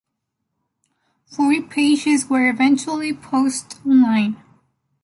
Forty pages were eventually posted online.